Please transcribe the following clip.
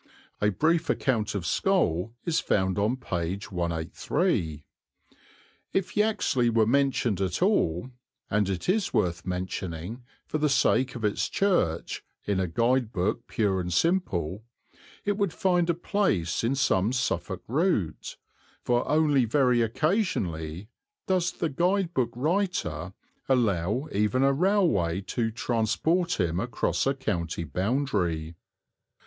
A brief account of Scole is found on p. 183. If Yaxley were mentioned at all (and it is worth mentioning, for the sake of its church, in a guide book pure and simple) it would find a place in some Suffolk route, for only very occasionally does the guide book writer allow even a railway to transport him across a county boundary.